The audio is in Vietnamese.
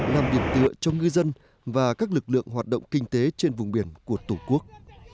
làm điểm tựa cho ngư dân và các lực lượng hoạt động kinh tế trên vùng biển của tổ quốc